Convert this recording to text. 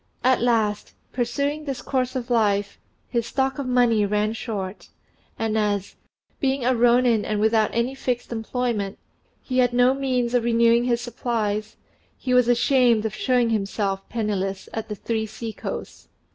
At last, pursuing this course of life, his stock of money ran short, and as, being a rônin and without any fixed employment, he had no means of renewing his supplies, he was ashamed of showing himself penniless at "The Three Sea coasts."